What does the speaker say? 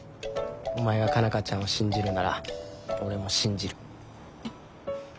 お前が佳奈花ちゃんを信じるなら俺も信じる。